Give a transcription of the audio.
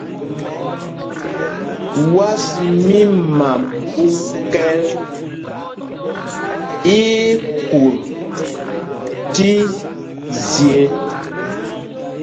Was mí Maɓúkɛ̌l í í kut tí zye.